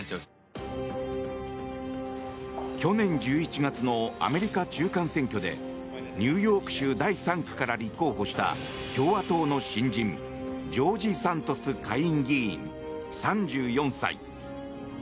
去年１１月のアメリカ中間選挙でニューヨーク州第３区から立候補した共和党の新人ジョージ・サントス下院議員３４歳。